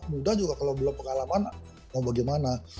muda juga kalau belum pengalaman mau bagaimana